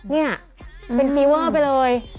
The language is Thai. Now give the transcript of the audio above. นี่เป็นฟีเวอร์ไปเลย